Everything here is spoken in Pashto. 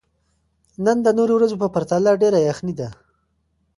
نن د نورو ورځو په پرتله ډېره یخني ده.